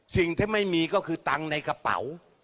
สิ่งที่ไม่มีก็คือตังค์ในกระเป๋า